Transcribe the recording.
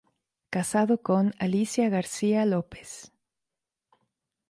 Casado con: Alicia García López.